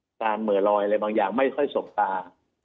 การเหม่อลอยอะไรบางอย่างไม่ค่อยสบตา